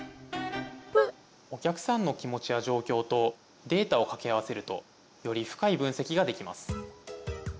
お客さんの気持ちや状況とデータをかけ合わせるとより深い分析ができます。